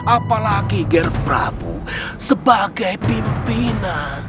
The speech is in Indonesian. apalagi ger prabu sebagai pimpinan